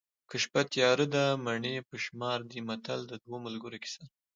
که شپه تیاره ده مڼې په شمار دي متل د دوو ملګرو کیسه ده